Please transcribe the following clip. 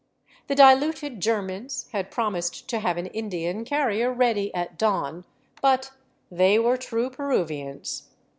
The diluted Germans had prom ised to have an Indian carrier ready at dawn. But they were true Peruvians.